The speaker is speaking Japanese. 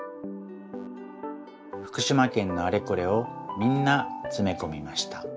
ふくしまけんのあれこれをみんなつめこみました。